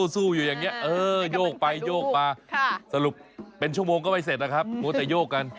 สู้อยู่อย่างนี้โยกไปโยกมาสรุปเป็นชั่วโมงก็ไม่เสร็จนะครับมัวแต่โยกกัน